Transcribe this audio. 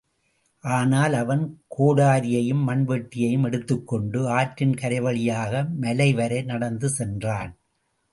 ஆனால் அவன், கோடரியையும் மண் வெட்டியையும் எடுத்துக்கொண்டு, ஆற்றின் கரை வழியாக மலைவரை நடந்து சென்றான்.